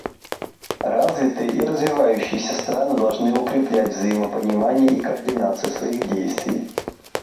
Развитые и развивающиеся страны должны укреплять взаимопонимание и координацию своих действий.